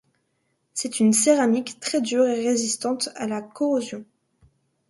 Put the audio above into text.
C'est une céramique très dure et résistante à la corrosion.